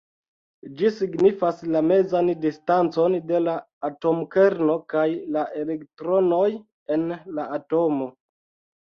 Ĝi signifas la mezan distancon de la atomkerno kaj la elektronoj en la atomo.